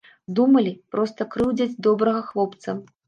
Думалі, проста крыўдзяць добрага хлопца.